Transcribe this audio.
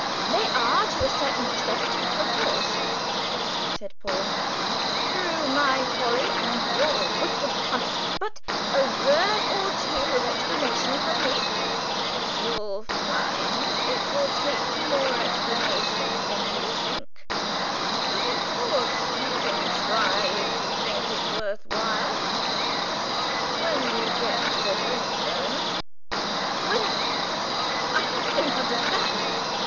"They are, to a certain extent, of course," said Paul, "through my folly and your wicked cunning; but a word or two of explanation from me " "You'll find it will take more explanation than you think," said Dick; "but, of course, you can try, if you think it worth while when you get to Grimstone's." "When I, I don't understand.